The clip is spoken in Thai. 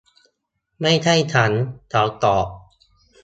ไม่ใช่ฉัน ! เขาตอบ